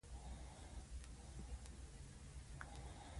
نيمه شپه راويښ سوم.